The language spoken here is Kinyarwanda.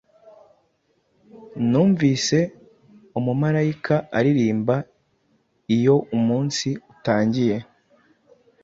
Numvise Umumarayika aririmba Iyo umunsi utangiye,